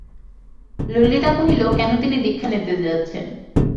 ললিতা কহিল, কেন তিনি দীক্ষা নিতে যাচ্ছেন?